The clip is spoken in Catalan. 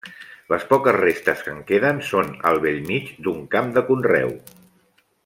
Les poques restes que en queden són al bell mig d'un camp de conreu.